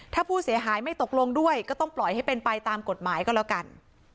ถ้าผู้เสียหายไม่ตกลงด้วยก็ต้องปล่อยให้เป็นไปตามกฎหมายก็แล้วกัน